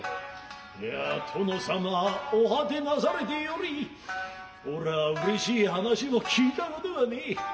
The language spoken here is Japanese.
いや殿様お果てなされてより俺は嬉しい話を聞いたことがねえ。